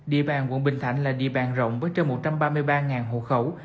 địa bàn quận bình thạnh là địa bàn rộng với trên một trăm ba mươi ba hộ khẩu